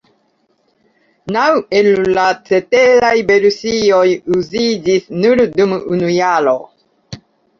Naŭ el la ceteraj versioj uziĝis nur dum unu jaro.